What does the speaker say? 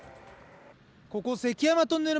ここ関山トンネル